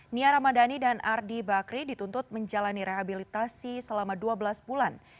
nia ramadhani dan ardi bakri dituntut menjalani rehabilitasi selama dua belas bulan